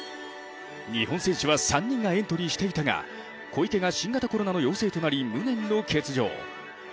日本選手は３人がエントリーしていたが小池が新型コロナの陽性となり無念の欠場。